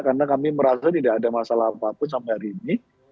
karena kami merasa tidak ada masalah apapun sampai hari ini